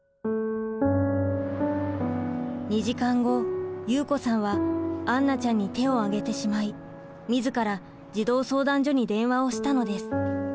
２時間後祐子さんは杏奈ちゃんに手を上げてしまい自ら児童相談所に電話をしたのです。